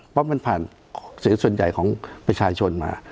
เพราะมันผ่านเสียงส่วนใหญ่ของประชาชนมา